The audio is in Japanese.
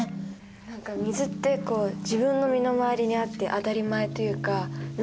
何か水って自分の身の回りにあって当たり前というかな